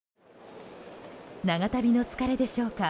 長旅の疲れでしょうか。